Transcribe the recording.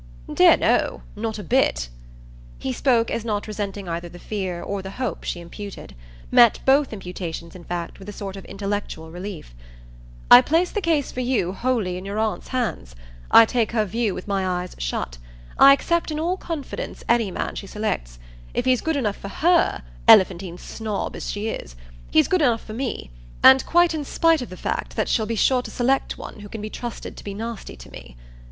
"Dear no not a bit." He spoke as not resenting either the fear or the hope she imputed; met both imputations in fact with a sort of intellectual relief. "I place the case for you wholly in your aunt's hands. I take her view with my eyes shut; I accept in all confidence any man she selects. If he's good enough for HER elephantine snob as she is he's good enough for me; and quite in spite of the fact that she'll be sure to select one who can be trusted to be nasty to me.